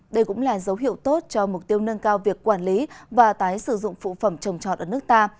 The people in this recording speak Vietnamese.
đây cũng là dấu hiệu tốt cho mục tiêu nâng cao việc quản lý và tái sử dụng phụ phẩm trồng trọt ở nước ta